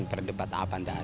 tidak ada debat apa apa